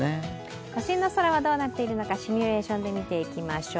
都心の空はどうなっているのかシミュレーションで見ていきましょう。